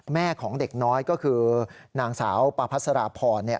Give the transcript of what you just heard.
แม่ของเด็กน้อยก็คือนางสาวประพัสราพร